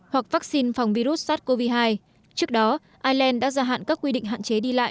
hoặc vaccine phòng virus sars cov hai trước đó ireland đã gia hạn các quy định hạn chế đi lại